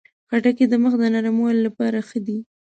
خټکی د مخ د نرموالي لپاره ښه دی.